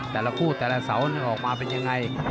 แต่ละคู่แต่ละเสาออกมาเป็นยังไง